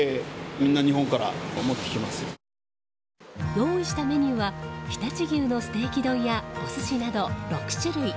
用意したメニューは常陸牛のステーキ丼やお寿司など６種類。